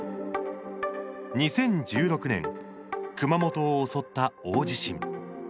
２０１６年、熊本を襲った大地震。